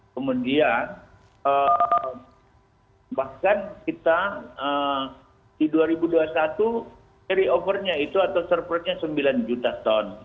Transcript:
kemudian bahkan kita di dua ribu dua puluh satu carry over nya itu atau servernya sembilan juta ton